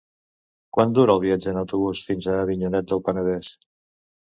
Quant dura el viatge en autobús fins a Avinyonet del Penedès?